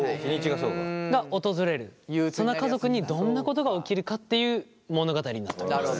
その家族にどんなことが起きるかっていう物語になっております。